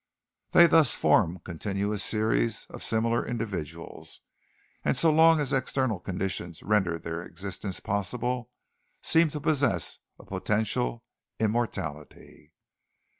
They thus form continuous series of similar individuals and so long as external conditions render their existence possible seem to possess a potential immortality.